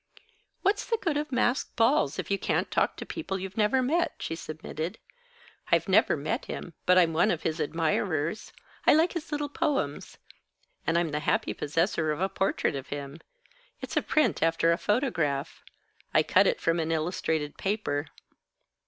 "What's the good of masked balls, if you can't talk to people you've never met?" she submitted. "I've never met him, but I'm one of his admirers. I like his little poems. And I'm the happy possessor of a portrait of him. It's a print after a photograph. I cut it from an illustrated paper."